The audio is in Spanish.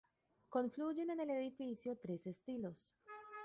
Confluyen en el edificio tres estilos.